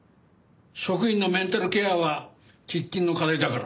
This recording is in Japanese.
職員のメンタルケアは喫緊の課題だからな。